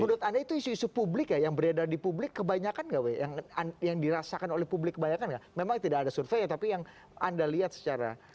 menurut anda itu isu isu publik ya yang beredar di publik kebanyakan nggak we yang dirasakan oleh publik kebanyakan nggak memang tidak ada survei tapi yang anda lihat secara